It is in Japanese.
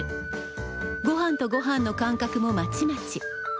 ごはんとごはんの間隔もまちまち。